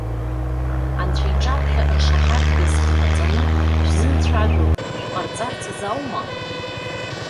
Анцәа иҿаԥхьа ршаҳаҭгас иҟаҵаны шәзымцәажәо шәҟарҵарц азы аума?